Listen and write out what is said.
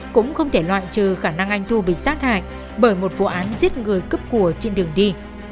cũng không thể loại trừ khả năng anh thu bị sát hại bởi một vụ án giết người cướp của trên đường đi